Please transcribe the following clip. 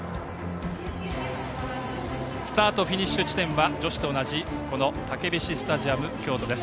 スタート、フィニッシュ地点は女子と同じたけびしスタジアム京都です。